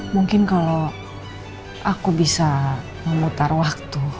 mungkin kalau aku bisa memutar waktu